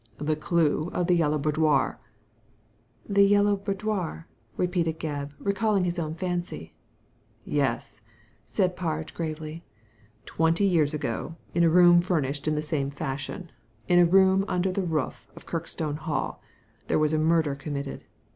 « The clue of the Yellow Boudoir." " The Yellow Boudoir I " repeated Gebb, recalling his own fancy. "Yes !" said Parge, gravely "Twenty years ago, in a room furnished in the same fashion, in a room under the roof of Kirkstone Hall, there was >t murder committed.